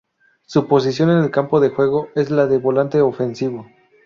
Su posición en el campo de juego es la de volante ofensivo.